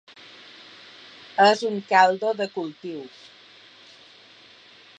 És un caldo de cultiu.